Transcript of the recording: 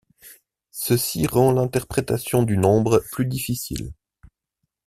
Ceci rend l'interprétation du nombre plus difficile.